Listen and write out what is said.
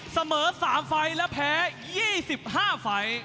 เสมอ๓ไฟล์และแพ้๒๕ไฟล์